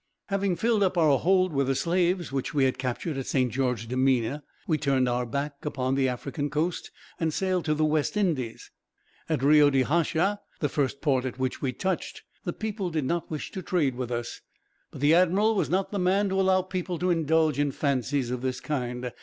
"Having filled up our hold with the slaves which we had captured at Saint Jorge de Mina, we turned our back upon the African coast, and sailed to the West Indies. At Rio de Hacha, the first port at which we touched, the people did not wish to trade with us; but the admiral was not the man to allow people to indulge in fancies of this kind.